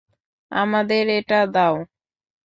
আমাদের এটা দাও!